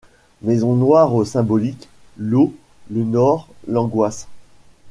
Maison Noire Symbolique : l’eau, le nord, l’angoisse.